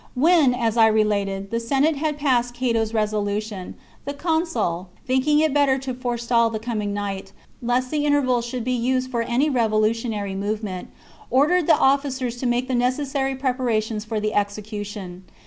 CHAP. When, as I related, the Senate had passed Cato's resolution, the consul, thinking it better to forestall the coming night, lest the interval should be used for any revolutionary movement, ordered the officers to make the necessary preparations for the execution.